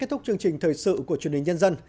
kết thúc chương trình thời sự của truyền hình nhân dân